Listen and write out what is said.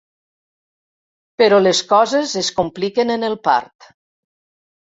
Però les coses es compliquen en el part.